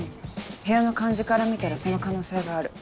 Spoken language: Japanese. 部屋の感じから見たらその可能性がある。